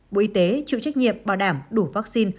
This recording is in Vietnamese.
bộ y tế chịu trách nhiệm bảo đảm đủ vaccine